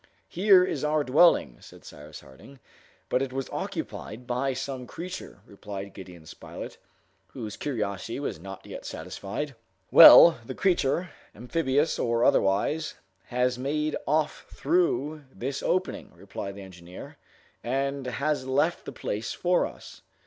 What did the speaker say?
"Here is our dwelling," said Cyrus Harding. "But it was occupied by some creature," replied Gideon Spilett, whose curiosity was not yet satisfied. "Well, the creature, amphibious or otherwise, has made off through this opening," replied the engineer, "and has left the place for us."